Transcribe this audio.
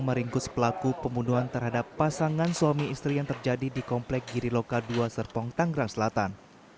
meringkus pelaku pembunuhan terhadap pasangan suami istri yang terjadi di komplek giriloka dua serpong tanggerang selatan